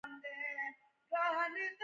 د ملا درد لپاره د کونځلې تېل وکاروئ